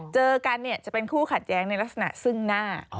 เจอกันจะเป็นคู่ขัดแย้งในลักษณะซึ่งหน้า